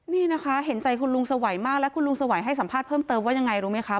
นี่นะคะเห็นใจคุณลุงสวัยมากและคุณลุงสวัยให้สัมภาษณ์เพิ่มเติมว่ายังไงรู้ไหมคะ